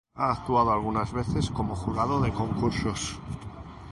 Ha actuado algunas veces como jurado de concursos.